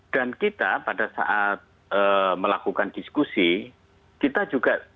dan kita pada saat melakukan diskusi kita juga tidak